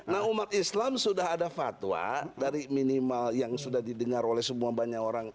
nah umat islam sudah ada fatwa dari minimal yang sudah didengar oleh semua banyak orang